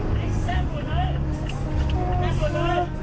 พี่ยิงหรอ